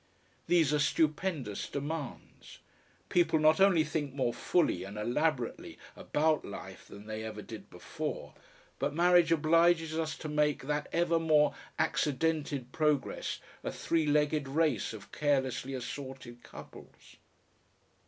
These are stupendous demands. People not only think more fully and elaborately about life than they ever did before, but marriage obliges us to make that ever more accidented progress a three legged race of carelessly assorted couples....